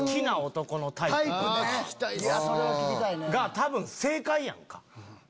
多分正解やんか。